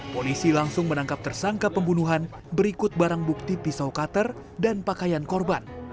polisi langsung menangkap tersangka pembunuhan berikut barang bukti pisau cutter dan pakaian korban